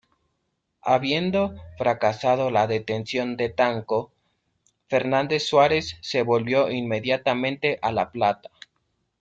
Habiendo fracasado la detención de Tanco, Fernández Suárez se volvió inmediatamente a La Plata.